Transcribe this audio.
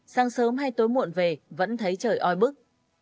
sáng sớm hay tối muộn về vẫn thấy trời oi bức